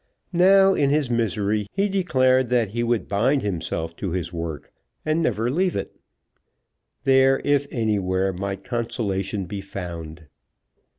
Now, in his misery, he declared that he would bind himself to his work and never leave it. There, if anywhere, might consolation be found.